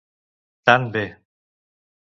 Tan b